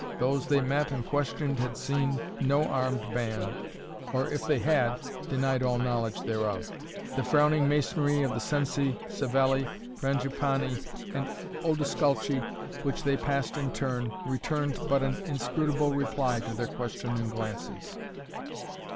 Those they met and questioned had seen no armed band, or, if they had, denied all knowledge thereof. The frowning masonry of the Cenci, Savelli, Frangipani, and Odescalchi, which they passed in turn, returned but an inscrutable reply to their questioning glances.